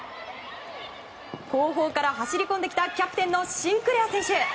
後方から走り込んできたキャプテンのシンクレア選手。